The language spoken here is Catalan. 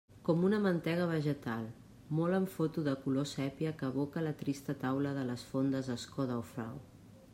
Com una mantega vegetal, molt en foto de color sépia que evoca la trista taula de les fondes Escoda o Frau.